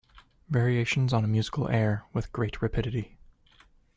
Variations on a musical air With great rapidity.